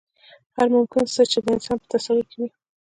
هر ممکن څه چې د انسان په تصور کې وي.